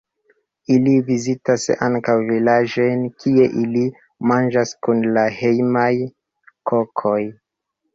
Ili vizitas ankaŭ vilaĝojn kie ili manĝas kun la hejmaj kokoj.